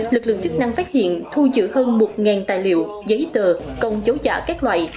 lực lượng chức năng phát hiện thu giữ hơn một tài liệu giấy tờ công dấu giả các loại